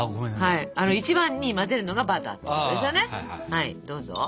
はいどうぞ。